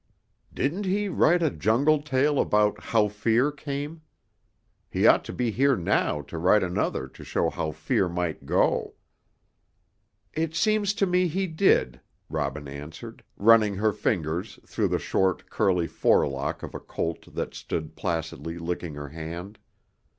"Didn't he write a Jungle tale about 'How Fear Came'? He ought to be here now to write another to show how Fear might go." "It seems to me he did," Robin answered, running her fingers through the short, curly forelock of a colt that stood placidly licking her hand.